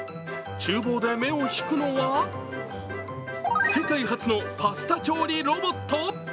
ちゅう房で目を引くのは世界初のパスタ調理ロボット。